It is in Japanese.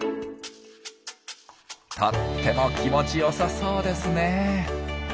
とっても気持ちよさそうですねえ。